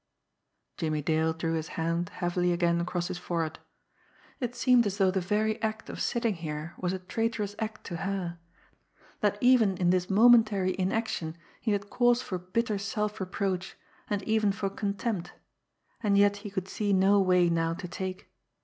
Jimmie Dale drew his hand heavily again across his forehead. It seemed as though the very act of sitting here was a traitorous act to her, that even in this momentary inaction he had cause for bitter self reproach and even for contempt and yet he could see no way now to take.